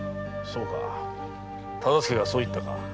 そうか忠相がそう言ったか。